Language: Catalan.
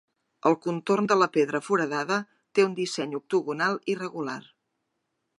El contorn de la pedra foradada té un disseny octogonal irregular.